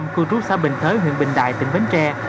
cư trú xã bình thới huyện bình đại tỉnh bến tre